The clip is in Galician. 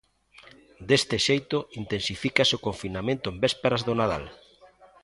Deste xeito, intensifícase o confinamento en vésperas do Nadal.